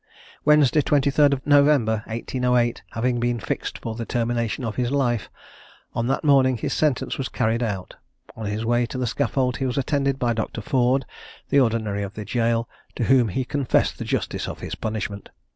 Wednesday, 23rd of November, 1808, having been fixed for the termination of his life, on that morning his sentence was carried out. On his way to the scaffold he was attended by Dr. Ford, the ordinary of the jail, to whom he confessed the justice of his punishment.